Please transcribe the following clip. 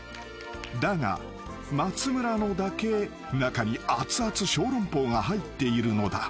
［だが松村のだけ中にあつあつショーロンポーが入っているのだ］